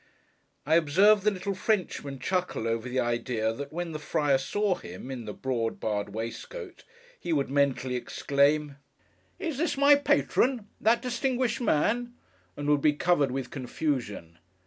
I observed the little Frenchman chuckle over the idea that when the Friar saw him in the broad barred waistcoat, he would mentally exclaim, 'Is that my Patron! That distinguished man!' and would be covered with confusion.